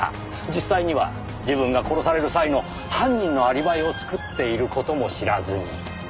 実際には自分が殺される際の犯人のアリバイを作っている事も知らずに。